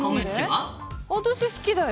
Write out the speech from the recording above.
私好きだよ。